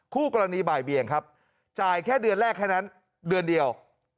คู่กรณีบ่ายเบียงครับจ่ายแค่เดือนแรกแค่นั้นเดือนเดียว